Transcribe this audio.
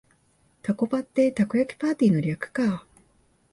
タコパってたこ焼きパーティーの略か